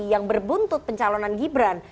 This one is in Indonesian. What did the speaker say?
yang berbuntut pencalonan gibran